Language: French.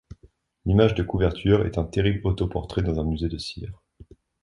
L’image de couverture est un terrible autoportrait dans un musée de cire.